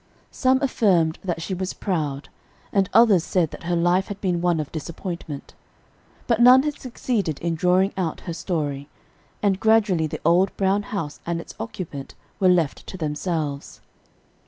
Some affirmed that she was proud, and others said that her life had been one of disappointment. But none had succeeded in drawing out her story, and gradually the old brown house and its occupant were left to themselves.